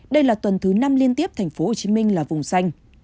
đây là tuần thứ năm liên tiếp thành phố hồ chí minh là vùng xanh